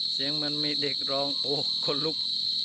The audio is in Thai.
เสียงมันมีเด็กร้องโอ้คนลุก